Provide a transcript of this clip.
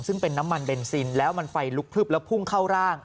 ซึ่งเป็นน้ำมันเบนซินแล้วมันไฟลุกพลึบแล้วพุ่งเข้าร่าง